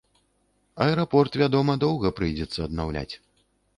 Аэрапорт, вядома, доўга прыйдзецца аднаўляць.